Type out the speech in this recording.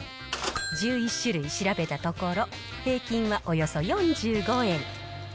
１１種類調べたところ、平均はおよそ４５円。